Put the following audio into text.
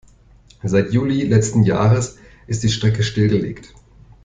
Seit Juli letzten Jahres ist die Strecke stillgelegt.